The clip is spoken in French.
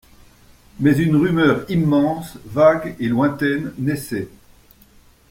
Mais une rumeur immense, vague et lointaine naissait.